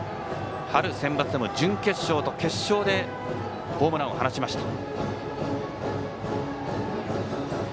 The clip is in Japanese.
春センバツでも準決勝と決勝でホームランを放ちました。